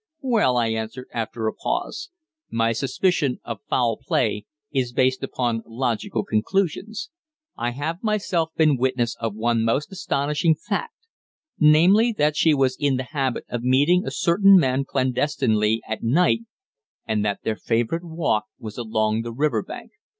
"Well," I answered, after a pause, "my suspicion of foul play is based upon logical conclusions. I have myself been witness of one most astonishing fact namely, that she was in the habit of meeting a certain man clandestinely at night, and that their favourite walk was along the river bank."